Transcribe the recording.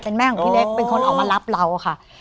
เป็นแม่ของพี่เล็กเป็นคนออกมารับเราค่ะ